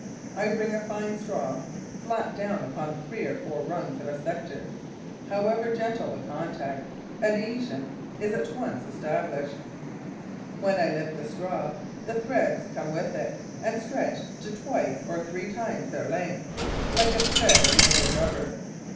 I bring a fine straw flat down upon three or four rungs of a sector. However gentle the contact, adhesion is at once established. When I lift the straw, the threads come with it and stretch to twice or three times their length, like a thread of India rubber.